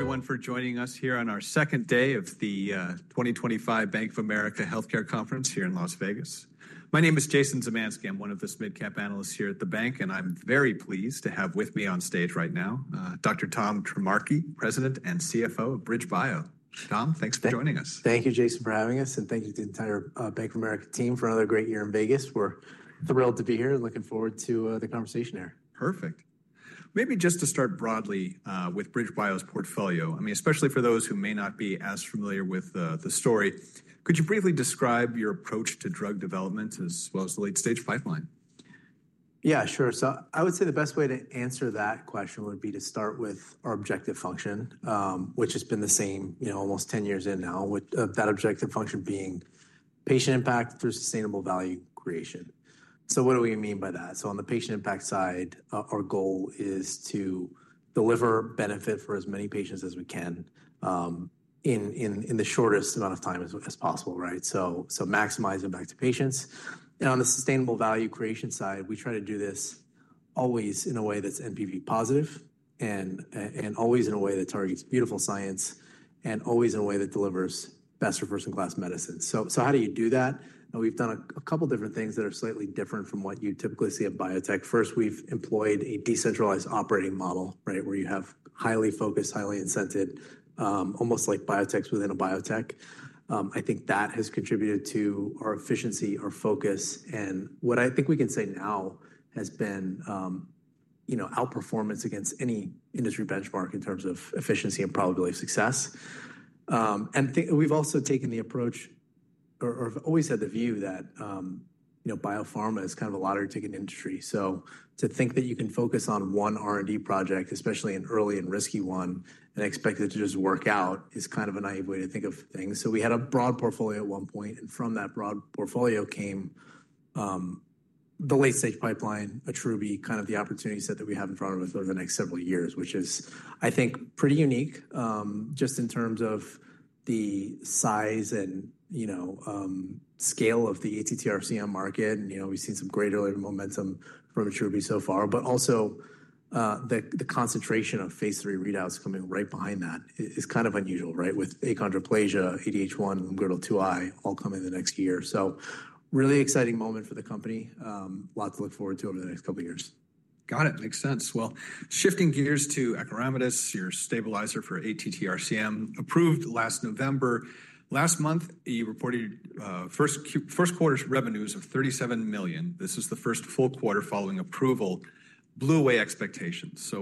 Thank you, everyone, for joining us here on our second day of the 2025 Bank of America Healthcare Conference here in Las Vegas. My name is Jason Zemansky. I'm one of the mid-cap analysts here at the bank, and I'm very pleased to have with me on stage right now Dr. Tom Trimarchi, President and CFO of BridgeBio. Tom, thanks for joining us. Thank you, Jason, for having us, and thank you to the entire Bank of America team for another great year in Vegas. We're thrilled to be here and looking forward to the conversation here. Perfect. Maybe just to start broadly with BridgeBio's portfolio, I mean, especially for those who may not be as familiar with the story, could you briefly describe your approach to drug development as well as the late-stage pipeline? Yeah, sure. I would say the best way to answer that question would be to start with our objective function, which has been the same, you know, almost 10 years in now, with that objective function being patient impact through sustainable value creation. What do we mean by that? On the patient impact side, our goal is to deliver benefit for as many patients as we can in the shortest amount of time as possible, right? Maximize impact to patients. On the sustainable value creation side, we try to do this always in a way that's NPV positive and always in a way that targets beautiful science and always in a way that delivers best or first-in-class medicine. How do you do that? We've done a couple of different things that are slightly different from what you typically see at biotech. First, we've employed a decentralized operating model, right, where you have highly focused, highly incentived, almost like biotechs within a biotech. I think that has contributed to our efficiency, our focus, and what I think we can say now has been, you know, outperformance against any industry benchmark in terms of efficiency and probability of success. We've also taken the approach, or I've always had the view that, you know, biopharma is kind of a lottery-ticking industry. To think that you can focus on one R&D project, especially an early and risky one, and expect it to just work out is kind of a naive way to think of things. We had a broad portfolio at one point, and from that broad portfolio came the late-stage pipeline, Attruby kind of the opportunity set that we have in front of us over the next several years, which is, I think, pretty unique just in terms of the size and, you know, scale of the ATTR-CM market. You know, we've seen some great early momentum from Attruby so far, but also the concentration of phase III readouts coming right behind that is kind of unusual, right, with achondroplasia, ADH1, and LGMD2I all coming the next year. Really exciting moment for the company, a lot to look forward to over the next couple of years. Got it. Makes sense. Shifting gears to acoramidis, your stabilizer for ATTR-CM, approved last November. Last month, you reported first quarter revenues of $37 million. This is the first full quarter following approval, blew away expectations.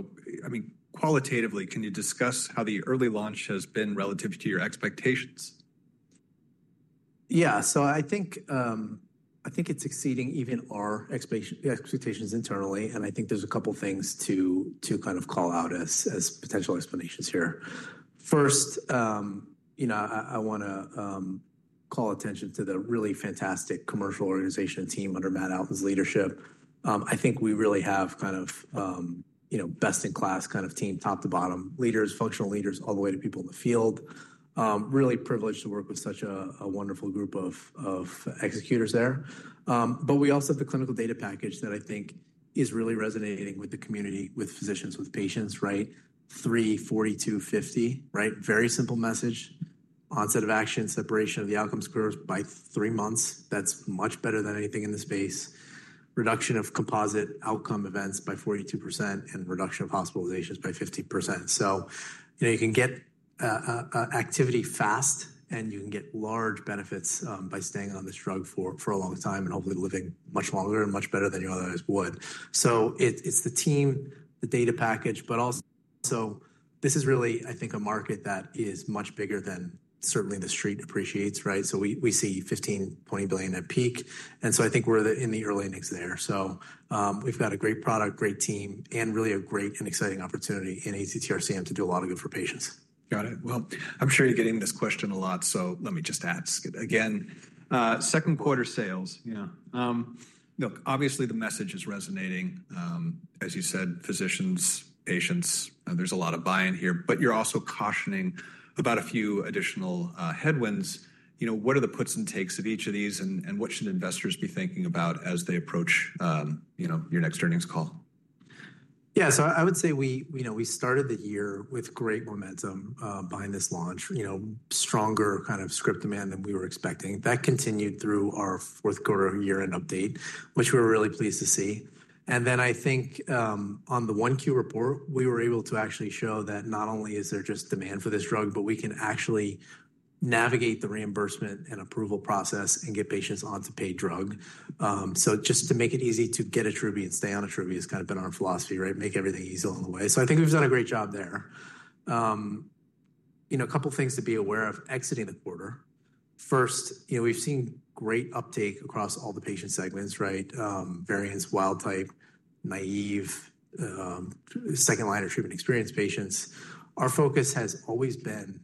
I mean, qualitatively, can you discuss how the early launch has been relative to your expectations? Yeah. I think it's exceeding even our expectations internally, and I think there's a couple of things to kind of call out as potential explanations here. First, you know, I want to call attention to the really fantastic commercial organization team under Matt Outten's leadership. I think we really have kind of, you know, best-in-class kind of team, top to bottom, leaders, functional leaders, all the way to people in the field. Really privileged to work with such a wonderful group of executors there. We also have the clinical data package that I think is really resonating with the community, with physicians, with patients, right? 3-42-50, right? Very simple message. Onset of action, separation of the outcome scores by three months. That's much better than anything in the space. Reduction of composite outcome events by 42% and reduction of hospitalizations by 50%. You know, you can get activity fast, and you can get large benefits by staying on this drug for a long time and hopefully living much longer and much better than you otherwise would. It is the team, the data package, but also this is really, I think, a market that is much bigger than certainly the street appreciates, right? We see $15 billion-$20 billion at peak. I think we are in the early innings there. We have got a great product, great team, and really a great and exciting opportunity in ATTR-CM to do a lot of good for patients. Got it. I'm sure you're getting this question a lot, so let me just ask it again. Second quarter sales, you know, obviously the message is resonating. As you said, physicians, patients, there's a lot of buy-in here, but you're also cautioning about a few additional headwinds. You know, what are the puts and takes of each of these, and what should investors be thinking about as they approach, you know, your next earnings call? Yeah. I would say we, you know, we started the year with great momentum behind this launch, you know, stronger kind of script demand than we were expecting. That continued through our fourth quarter year-end update, which we were really pleased to see. I think on the 1Q report, we were able to actually show that not only is there just demand for this drug, but we can actually navigate the reimbursement and approval process and get patients onto paid drug. Just to make it easy to get Attruby and stay on Attruby has kind of been our philosophy, right? Make everything easy along the way. I think we've done a great job there. You know, a couple of things to be aware of exiting the quarter. First, you know, we've seen great uptake across all the patient segments, right? Variant, wild type, naive, second-liner treatment experience patients. Our focus has always been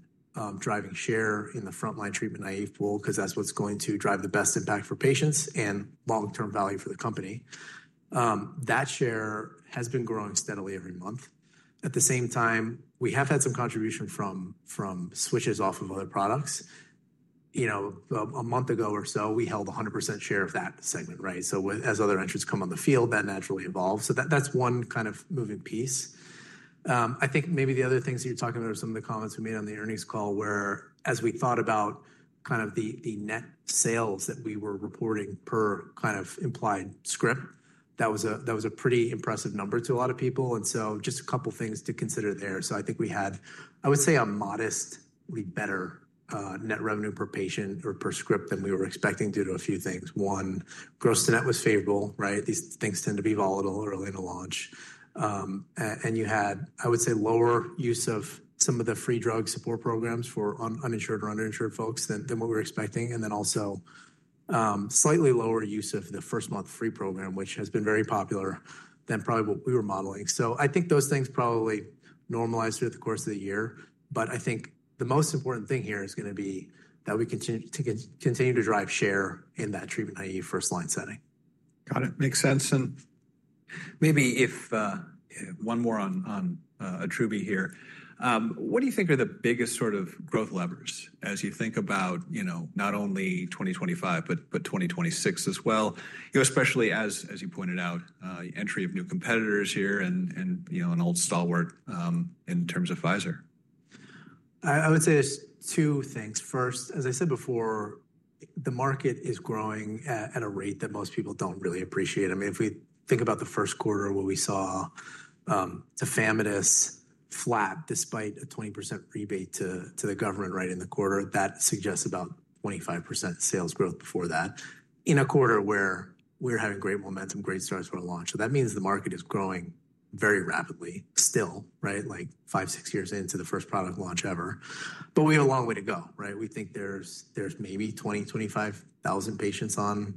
driving share in the frontline treatment naive pool because that's what's going to drive the best impact for patients and long-term value for the company. That share has been growing steadily every month. At the same time, we have had some contribution from switches off of other products. You know, a month ago or so, we held 100% share of that segment, right? As other entrants come on the field, that naturally evolves. That's one kind of moving piece. I think maybe the other things that you're talking about are some of the comments we made on the earnings call where, as we thought about kind of the net sales that we were reporting per kind of implied script, that was a pretty impressive number to a lot of people. Just a couple of things to consider there. I think we had, I would say, a modestly better net revenue per patient or per script than we were expecting due to a few things. One, gross to net was favorable, right? These things tend to be volatile early in a launch. You had, I would say, lower use of some of the free drug support programs for uninsured or underinsured folks than what we were expecting. Also, slightly lower use of the first-month free program, which has been very popular, than probably what we were modeling. I think those things probably normalize through the course of the year. I think the most important thing here is going to be that we continue to drive share in that treatment naive first-line setting. Got it. Makes sense. Maybe if one more on Attruby here. What do you think are the biggest sort of growth levers as you think about, you know, not only 2025, but 2026 as well, you know, especially as you pointed out, entry of new competitors here and, you know, an old stalwart in terms of Pfizer? I would say there's two things. First, as I said before, the market is growing at a rate that most people don't really appreciate. I mean, if we think about the first quarter, what we saw, it's tafamidis flat despite a 20% rebate to the government right in the quarter. That suggests about 25% sales growth before that in a quarter where we're having great momentum, great starts for a launch. That means the market is growing very rapidly still, right? Like five, six years into the first product launch ever. We have a long way to go, right? We think there's maybe 20,000-25,000 patients on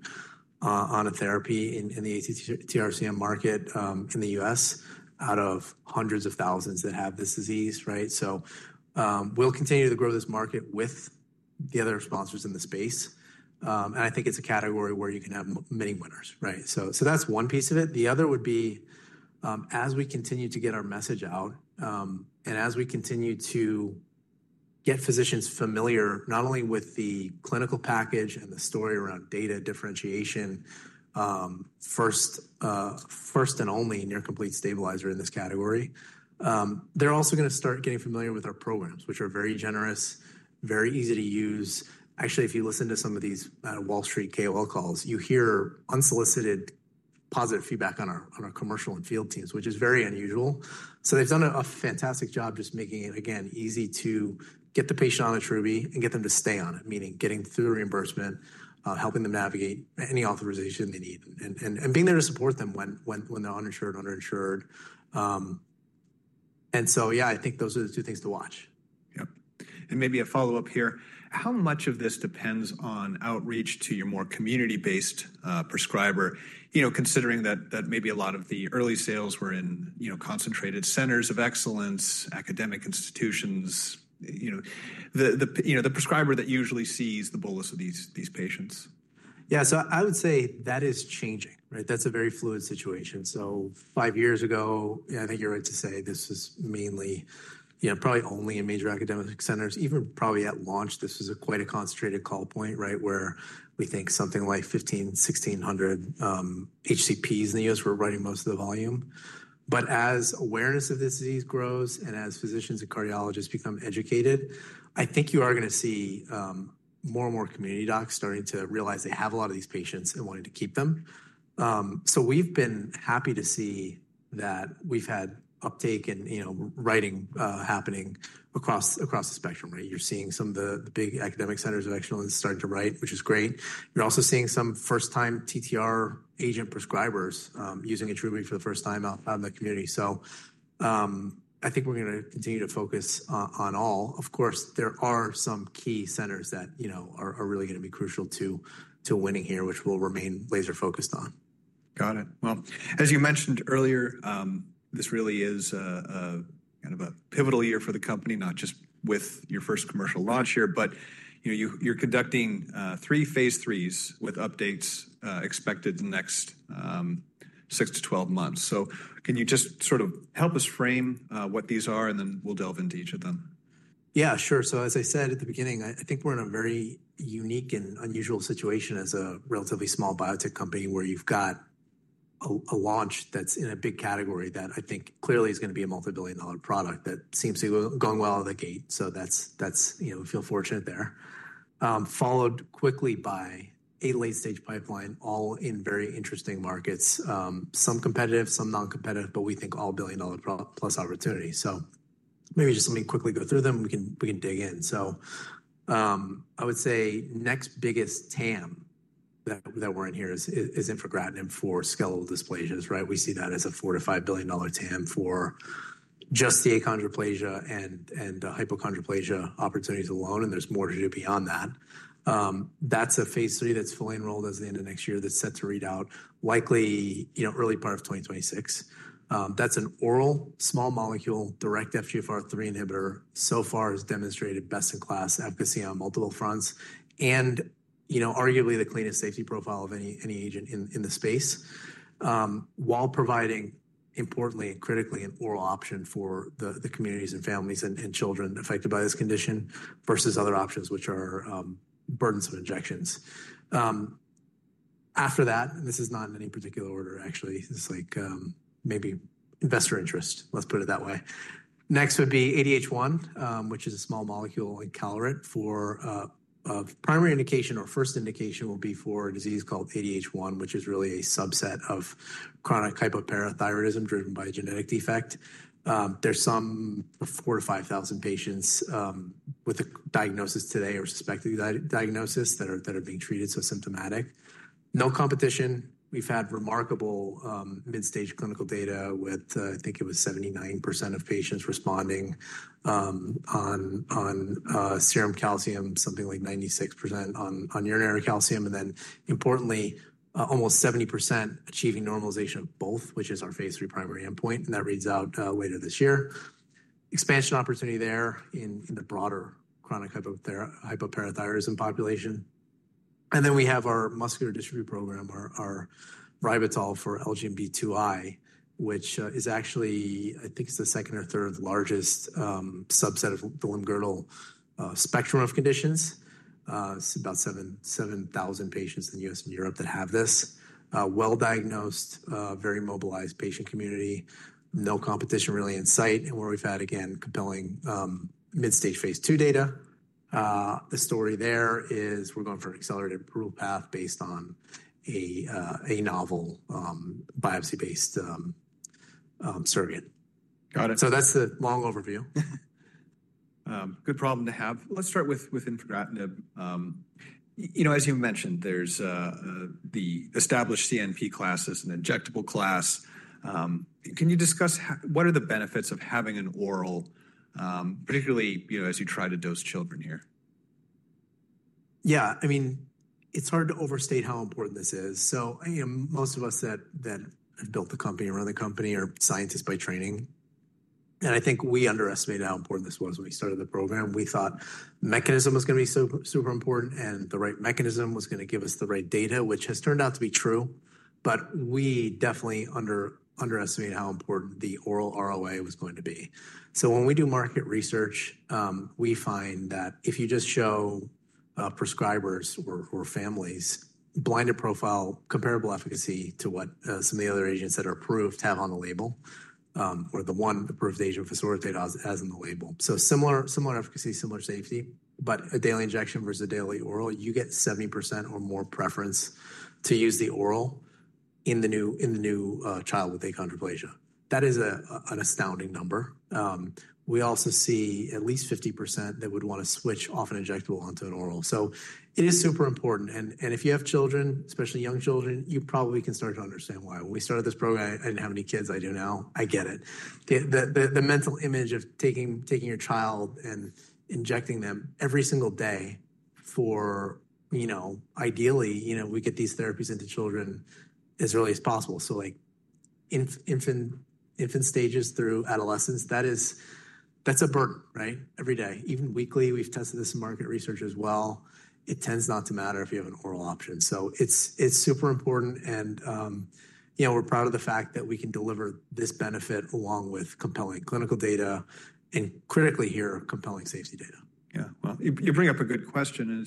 a therapy in the ATTR-CM market in the U.S. out of hundreds of thousands that have this disease, right? We'll continue to grow this market with the other sponsors in the space. I think it's a category where you can have many winners, right? That's one piece of it. The other would be as we continue to get our message out and as we continue to get physicians familiar not only with the clinical package and the story around data differentiation, first and only near-complete stabilizer in this category, they're also going to start getting familiar with our programs, which are very generous, very easy to use. Actually, if you listen to some of these Wall Street KOL calls, you hear unsolicited positive feedback on our commercial and field teams, which is very unusual. They've done a fantastic job just making it, again, easy to get the patient on Attruby and get them to stay on it, meaning getting through reimbursement, helping them navigate any authorization they need, and being there to support them when they're uninsured, underinsured. Yeah, I think those are the two things to watch. Yep. Maybe a follow-up here. How much of this depends on outreach to your more community-based prescriber, you know, considering that maybe a lot of the early sales were in, you know, concentrated centers of excellence, academic institutions, you know, the prescriber that usually sees the bolus of these patients? Yeah. I would say that is changing, right? That's a very fluid situation. Five years ago, I think you're right to say this is mainly, you know, probably only in major academic centers. Even probably at launch, this was quite a concentrated call point, right, where we think something like 1,500-1,600 HCPs in the U.S. were running most of the volume. As awareness of this disease grows and as physicians and cardiologists become educated, I think you are going to see more and more community docs starting to realize they have a lot of these patients and wanting to keep them. We have been happy to see that we have had uptake and, you know, writing happening across the spectrum, right? You're seeing some of the big academic centers of excellence starting to write, which is great. You're also seeing some first-time TTR agent prescribers using Attruby for the first time out in the community. I think we're going to continue to focus on all. Of course, there are some key centers that, you know, are really going to be crucial to winning here, which we'll remain laser-focused on. Got it. As you mentioned earlier, this really is kind of a pivotal year for the company, not just with your first commercial launch here, but, you know, you're conducting three phase IIIs with updates expected in the next 6-12 months. Can you just sort of help us frame what these are, and then we'll delve into each of them? Yeah, sure. As I said at the beginning, I think we're in a very unique and unusual situation as a relatively small biotech company where you've got a launch that's in a big category that I think clearly is going to be a multi-billion dollar product that seems to be going well out of the gate. We feel fortunate there. Followed quickly by a late-stage pipeline, all in very interesting markets. Some competitive, some non-competitive, but we think all billion-dollar plus opportunity. Maybe just let me quickly go through them. We can dig in. I would say next biggest TAM that we're in here is infigratinib for skeletal dysplasias, right? We see that as a $4 billion-$5 billion TAM for just the achondroplasia and hypochondroplasia opportunities alone, and there's more to do beyond that. That's a phase III that's fully enrolled as the end of next year that's set to read out likely, you know, early part of 2026. That's an oral small molecule direct FGFR3 inhibitor. So far has demonstrated best-in-class efficacy on multiple fronts and, you know, arguably the cleanest safety profile of any agent in the space while providing importantly and critically an oral option for the communities and families and children affected by this condition versus other options, which are burdensome injections. After that, and this is not in any particular order, actually, it's like maybe investor interest, let's put it that way. Next would be ADH1, which is a small molecule, encaleret, for primary indication or first indication will be for a disease called ADH1, which is really a subset of chronic hypoparathyroidism driven by a genetic defect. There's some 4,000-5,000 patients with a diagnosis today or suspected diagnosis that are being treated, so symptomatic. No competition. We've had remarkable mid-stage clinical data with, I think it was 79% of patients responding on serum calcium, something like 96% on urinary calcium. Importantly, almost 70% achieving normalization of both, which is our phase III primary endpoint, and that reads out later this year. Expansion opportunity there in the broader chronic hypoparathyroidism population. We have our muscular dystrophy program, our ribitol for LGMD2I, which is actually, I think it's the second or third largest subset of the limb-girdle spectrum of conditions. It's about 7,000 patients in the U.S. and Europe that have this. Well-diagnosed, very mobilized patient community. No competition really in sight. Where we've had, again, compelling mid-stage phase II data. The story there is we're going for an accelerated approval path based on a novel biopsy-based surrogate. Got it. That's the long overview. Good problem to have. Let's start with infigratinib. You know, as you mentioned, there's the established CNP class, there's an injectable class. Can you discuss what are the benefits of having an oral, particularly, you know, as you try to dose children here? Yeah. I mean, it's hard to overstate how important this is. You know, most of us that have built the company, run the company are scientists by training. I think we underestimated how important this was when we started the program. We thought mechanism was going to be super important, and the right mechanism was going to give us the right data, which has turned out to be true. We definitely underestimated how important the oral ROA was going to be. When we do market research, we find that if you just show prescribers or families blinded profile comparable efficacy to what some of the other agents that are approved have on the label, or the one approved agent facilitator has on the label. Similar efficacy, similar safety, but a daily injection versus a daily oral, you get 70% or more preference to use the oral in the new child with achondroplasia. That is an astounding number. We also see at least 50% that would want to switch off an injectable onto an oral. It is super important. If you have children, especially young children, you probably can start to understand why. When we started this program, I did not have any kids. I do now. I get it. The mental image of taking your child and injecting them every single day for, you know, ideally, you know, we get these therapies into children as early as possible. Like infant stages through adolescence, that is a burden, right? Every day, even weekly. We have tested this in market research as well. It tends not to matter if you have an oral option. It's super important. And, you know, we're proud of the fact that we can deliver this benefit along with compelling clinical data and, critically here, compelling safety data. Yeah. You bring up a good question.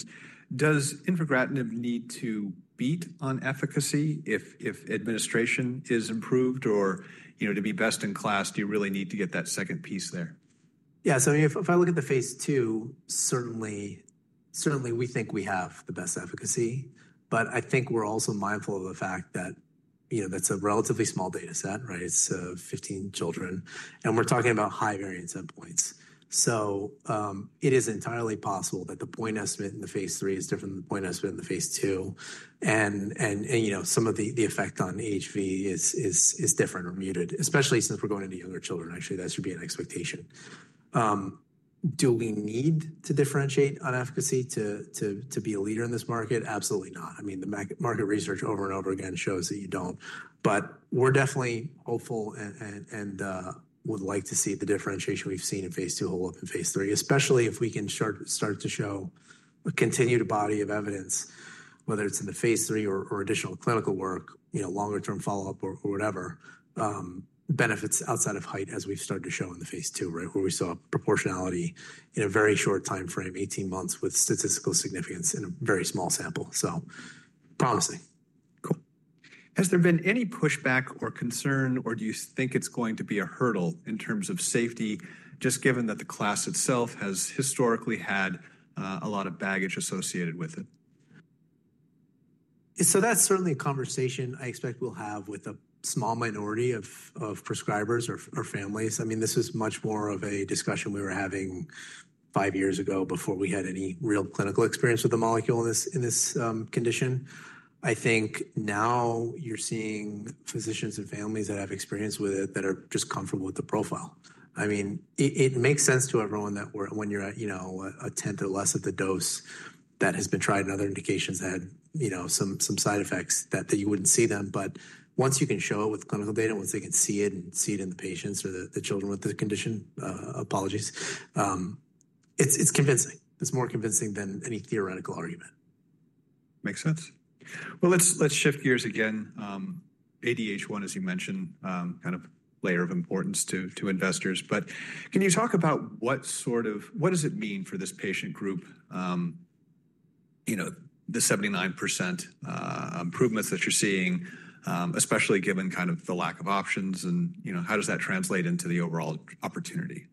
Does infigratinib need to beat on efficacy if administration is improved or, you know, to be best in class, do you really need to get that second piece there? Yeah. If I look at the phase II, certainly, certainly we think we have the best efficacy. I think we're also mindful of the fact that, you know, that's a relatively small data set, right? It's 15 children. We're talking about high variance endpoints. It is entirely possible that the point estimate in the phase III is different than the point estimate in the phase II. You know, some of the effect on HV is different or muted, especially since we're going into younger children. Actually, that should be an expectation. Do we need to differentiate on efficacy to be a leader in this market? Absolutely not. I mean, the market research over and over again shows that you don't. We're definitely hopeful and would like to see the differentiation we've seen in phase II hold up in phase III, especially if we can start to show a continued body of evidence, whether it's in the phase III or additional clinical work, you know, longer-term follow-up or whatever, benefits outside of height as we've started to show in the phase II, right, where we saw proportionality in a very short time frame, 18 months with statistical significance in a very small sample. So promising. Cool. Has there been any pushback or concern, or do you think it's going to be a hurdle in terms of safety, just given that the class itself has historically had a lot of baggage associated with it? That's certainly a conversation I expect we'll have with a small minority of prescribers or families. I mean, this is much more of a discussion we were having five years ago before we had any real clinical experience with the molecule in this condition. I think now you're seeing physicians and families that have experience with it that are just comfortable with the profile. I mean, it makes sense to everyone that when you're at, you know, a tenth or less of the dose that has been tried in other indications that had, you know, some side effects that you wouldn't see them. Once you can show it with clinical data, once they can see it and see it in the patients or the children with the condition, apologies, it's convincing. It's more convincing than any theoretical argument. Makes sense. Let's shift gears again. ADH1, as you mentioned, kind of layer of importance to investors. Can you talk about what sort of, what does it mean for this patient group, you know, the 79% improvements that you're seeing, especially given kind of the lack of options and, you know, how does that translate into the overall opportunity?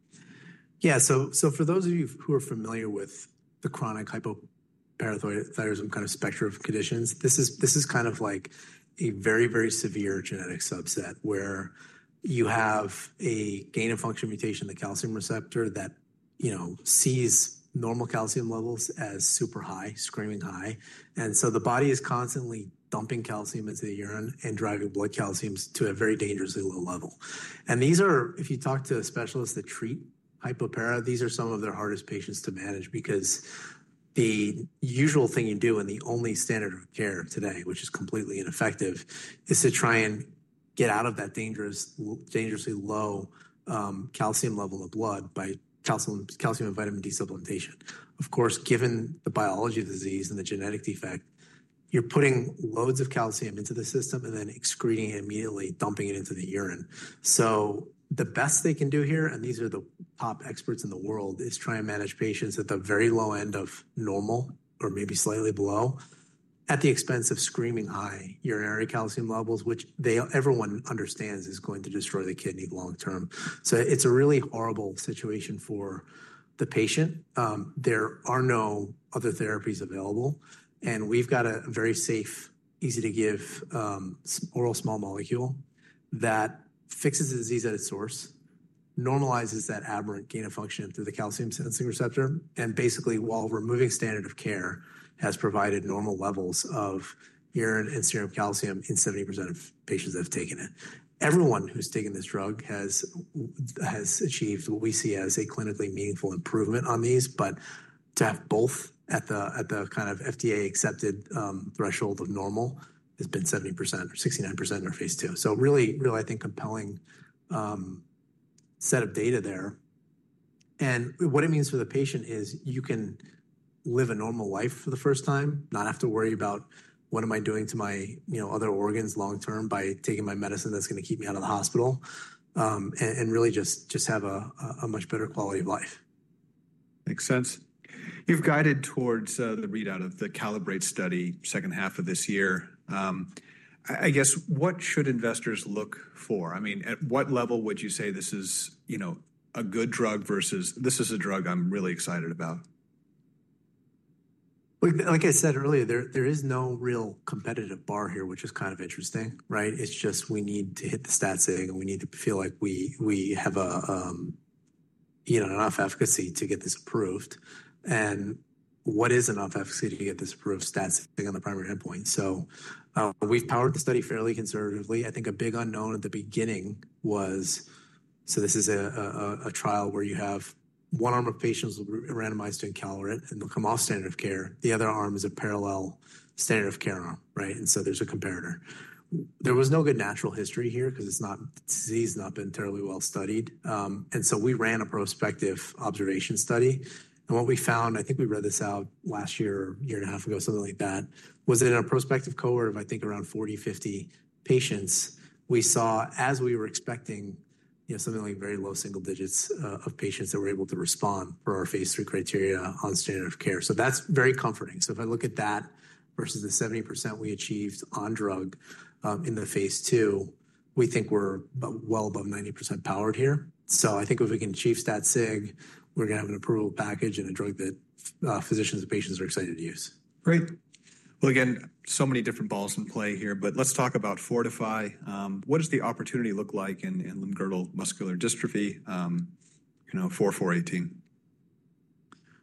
Yeah. For those of you who are familiar with the chronic hypoparathyroidism kind of spectrum of conditions, this is kind of like a very, very severe genetic subset where you have a gain of function mutation in the calcium receptor that, you know, sees normal calcium levels as super high, screaming high. The body is constantly dumping calcium into the urine and driving blood calciums to a very dangerously low level. If you talk to specialists that treat hypopara, these are some of their hardest patients to manage because the usual thing you do and the only standard of care today, which is completely ineffective, is to try and get out of that dangerously low calcium level of blood by calcium and vitamin D supplementation. Of course, given the biology of the disease and the genetic defect, you're putting loads of calcium into the system and then excreting it immediately, dumping it into the urine. The best they can do here, and these are the top experts in the world, is try and manage patients at the very low end of normal or maybe slightly below at the expense of screaming high urinary calcium levels, which everyone understands is going to destroy the kidney long term. It is a really horrible situation for the patient. There are no other therapies available. We've got a very safe, easy-to-give oral small molecule that fixes the disease at its source, normalizes that aberrant gain of function through the calcium sensing receptor, and basically, while removing standard of care, has provided normal levels of urine and serum calcium in 70% of patients that have taken it. Everyone who's taken this drug has achieved what we see as a clinically meaningful improvement on these. To have both at the kind of FDA-accepted threshold of normal has been 70% or 69% in our phase II. Really, really, I think, compelling set of data there. What it means for the patient is you can live a normal life for the first time, not have to worry about, what am I doing to my, you know, other organs long term by taking my medicine that's going to keep me out of the hospital, and really just have a much better quality of life. Makes sense. You've guided towards the readout of the CALIBRATE study second half of this year. I guess, what should investors look for? I mean, at what level would you say this is, you know, a good drug versus this is a drug I'm really excited about? Like I said earlier, there is no real competitive bar here, which is kind of interesting, right? It's just we need to hit the stats thing, and we need to feel like we have enough efficacy to get this approved. What is enough efficacy to get this approved? Stats thing on the primary endpoint. We've powered the study fairly conservatively. I think a big unknown at the beginning was, this is a trial where you have one arm of patients randomized to encaleret, and they'll come off standard of care. The other arm is a parallel standard of care arm, right? There's a comparator. There was no good natural history here because the disease has not been terribly well studied. We ran a prospective observation study. What we found, I think we read this out last year, a year and a half ago, something like that, was that in a prospective cohort of, I think, around 40-50 patients, we saw, as we were expecting, you know, something like very low single digits of patients that were able to respond for our phase III criteria on standard of care. That is very comforting. If I look at that versus the 70% we achieved on drug in the phase II, we think we are well above 90% powered here. I think if we can achieve stat SIG, we are going to have an approval package and a drug that physicians and patients are excited to use. Great. Again, so many different balls in play here, but let's talk about FORTIFY. What does the opportunity look like in limb-girdle muscular dystrophy, you know, BBP-418?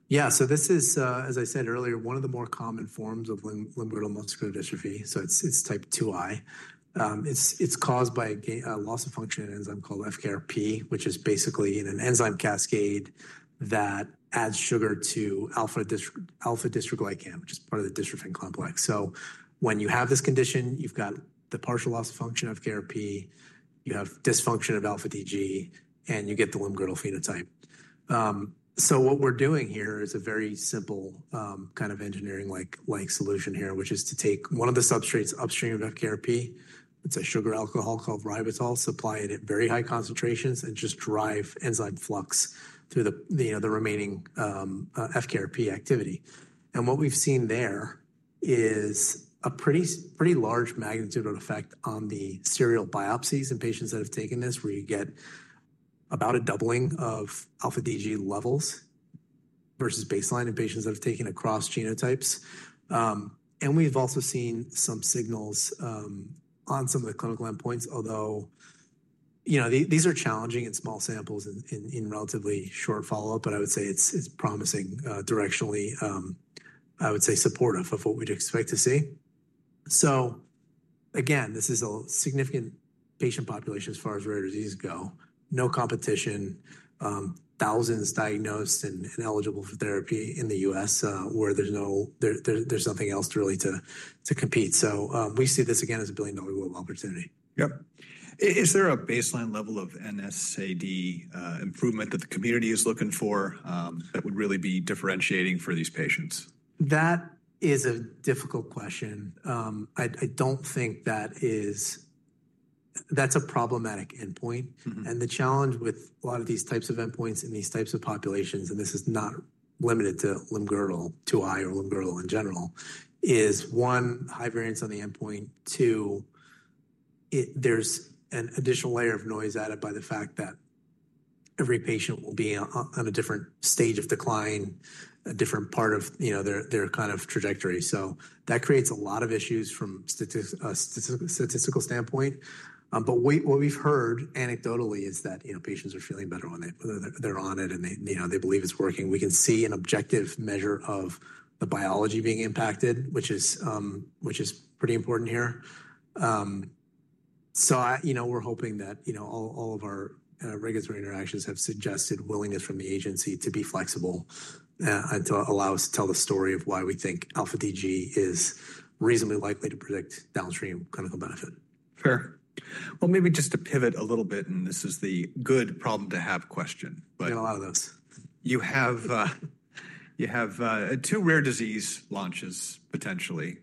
Yeah. This is, as I said earlier, one of the more common forms of limb-girdle muscular dystrophy. It is type 2I. It is caused by a loss of function enzyme called FKRP, which is basically an enzyme cascade that adds sugar to alpha dystroglycan, which is part of the dystrophin complex. When you have this condition, you have the partial loss of function of FKRP, you have dysfunction of alpha-DG, and you get the limb-girdle phenotype. What we are doing here is a very simple kind of engineering-like solution, which is to take one of the substrates upstream of FKRP, it is a sugar alcohol called ribitol, supply it at very high concentrations, and just drive enzyme flux through the remaining FKRP activity. What we've seen there is a pretty large magnitude of effect on the serial biopsies in patients that have taken this, where you get about a doubling of alpha-DG levels versus baseline in patients that have taken across genotypes. We've also seen some signals on some of the clinical endpoints, although, you know, these are challenging in small samples in relatively short follow-up, but I would say it's promising directionally, I would say supportive of what we'd expect to see. This is a significant patient population as far as rare diseases go. No competition, thousands diagnosed and eligible for therapy in the U.S. where there's no, there's nothing else really to compete. We see this again as a billion-dollar global opportunity. Yep. Is there a baseline level of NSAID improvement that the community is looking for that would really be differentiating for these patients? That is a difficult question. I don't think that is, that's a problematic endpoint. The challenge with a lot of these types of endpoints in these types of populations, and this is not limited to limb-girdle 2I or limb-girdle in general, is one, high variance on the endpoint. Two, there's an additional layer of noise added by the fact that every patient will be on a different stage of decline, a different part of, you know, their kind of trajectory. That creates a lot of issues from a statistical standpoint. What we've heard anecdotally is that, you know, patients are feeling better when they're on it and they, you know, they believe it's working. We can see an objective measure of the biology being impacted, which is pretty important here. You know, we're hoping that, you know, all of our regulatory interactions have suggested willingness from the agency to be flexible and to allow us to tell the story of why we think alpha-DG is reasonably likely to predict downstream clinical benefit. Fair. Maybe just to pivot a little bit, and this is the good problem-to-have question, but. You know, a lot of those. You have two rare disease launches potentially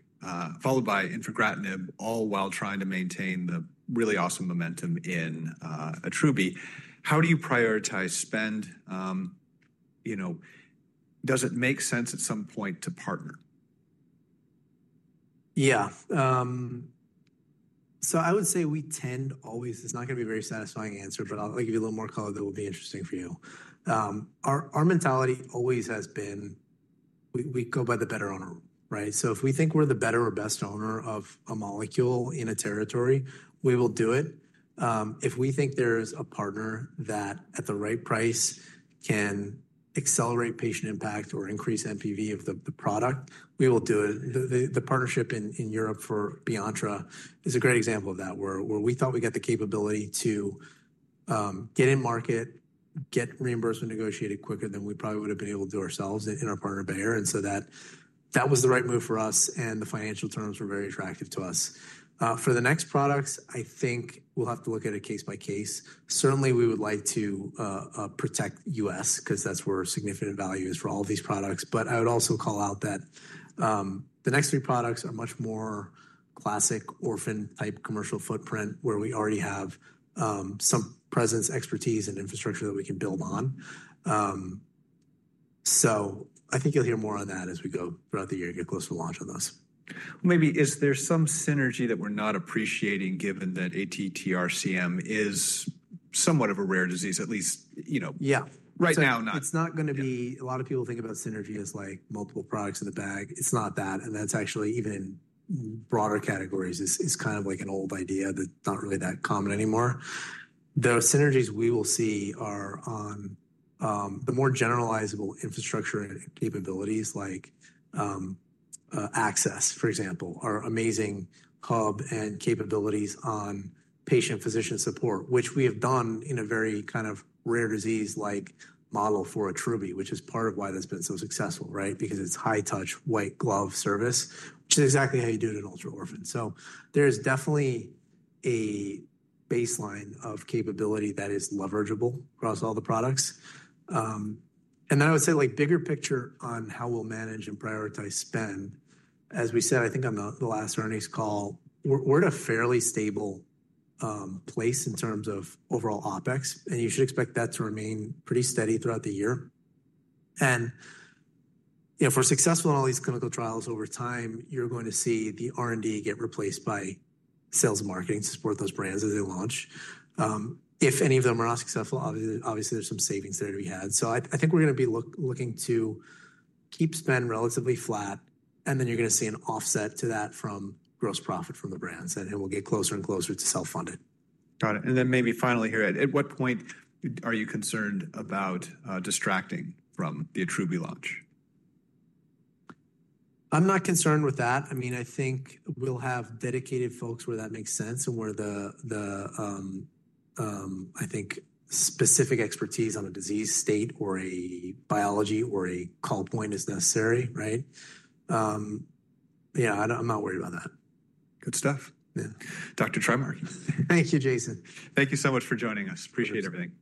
followed by infigratinib, all while trying to maintain the really awesome momentum in Attruby. How do you prioritize spend? You know, does it make sense at some point to partner? Yeah. I would say we tend always, it's not going to be a very satisfying answer, but I'll give you a little more color that will be interesting for you. Our mentality always has been, we go by the better owner, right? If we think we're the better or best owner of a molecule in a territory, we will do it. If we think there's a partner that at the right price can accelerate patient impact or increase MPV of the product, we will do it. The partnership in Europe for BEYONTTRA is a great example of that, where we thought we got the capability to get in market, get reimbursement negotiated quicker than we probably would have been able to do ourselves in our partner Bayer. That was the right move for us, and the financial terms were very attractive to us. For the next products, I think we'll have to look at it case by case. Certainly, we would like to protect U.S. because that's where significant value is for all of these products. I would also call out that the next three products are much more classic orphan-type commercial footprint, where we already have some presence, expertise, and infrastructure that we can build on. I think you'll hear more on that as we go throughout the year and get closer to launch on those. Maybe, is there some synergy that we're not appreciating given that ATTR-CM is somewhat of a rare disease, at least, you know. Yeah. Right now, not. It's not going to be, a lot of people think about synergy as like multiple products in the bag. It's not that. And that's actually, even in broader categories, is kind of like an old idea that's not really that common anymore. The synergies we will see are on the more generalizable infrastructure and capabilities, like access, for example, our amazing hub and capabilities on patient-physician support, which we have done in a very kind of rare disease-like model for Attruby, which is part of why that's been so successful, right? Because it's high-touch white glove service, which is exactly how you do it in ultra-orphan. There is definitely a baseline of capability that is leverageable across all the products. I would say, like bigger picture on how we'll manage and prioritize spend, as we said, I think on the last earnings call, we're at a fairly stable place in terms of overall OpEx, and you should expect that to remain pretty steady throughout the year. If we're successful in all these clinical trials over time, you're going to see the R&D get replaced by sales and marketing to support those brands as they launch. If any of them are not successful, obviously, there's some savings there to be had. I think we're going to be looking to keep spend relatively flat, and then you're going to see an offset to that from gross profit from the brands, and we'll get closer and closer to self-funded. Got it. And then maybe finally here, at what point are you concerned about distracting from the Attruby launch? I'm not concerned with that. I mean, I think we'll have dedicated folks where that makes sense and where the, I think, specific expertise on a disease state or a biology or a call point is necessary, right? You know, I'm not worried about that. Good stuff. Yeah. Dr. Trimarchi. Thank you, Jason. Thank you so much for joining us. Appreciate everything.